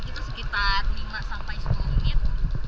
itu sekitar lima sampai sepuluh menit